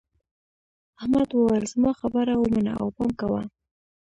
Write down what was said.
احمد وویل زما خبره ومنه او پام کوه.